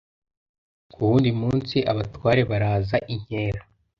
Ku wundi munsi, abatware baraza inkera